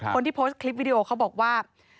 คนที่โพสต์คลิปวิดีโอเขาบอกว่า